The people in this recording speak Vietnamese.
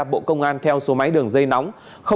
bộ công an theo số máy đường dây nóng